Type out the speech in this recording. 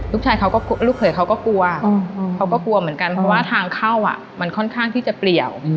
ลูกเขยเขาก็กลัวเขาก็กลัวเหมือนกันเพราะว่าทางเข้ามันค่อนข้างที่จะเปลี่ยว